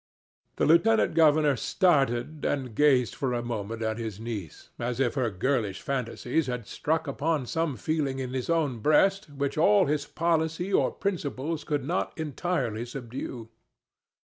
The lieutenant governor started and gazed for a moment at his niece, as if her girlish fantasies had struck upon some feeling in his own breast which all his policy or principles could not entirely subdue.